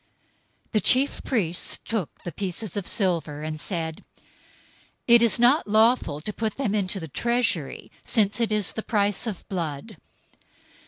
027:006 The chief priests took the pieces of silver, and said, "It's not lawful to put them into the treasury, since it is the price of blood."